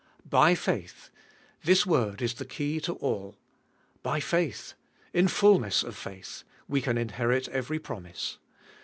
By faith! This word is the key to all. By faith! in fulness of faith ! we can inherit every promise.